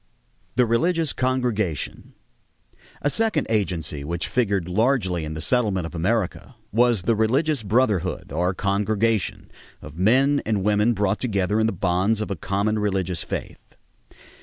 =The Religious Congregation.= A second agency which figured largely in the settlement of America was the religious brotherhood, or congregation, of men and women brought together in the bonds of a common religious faith.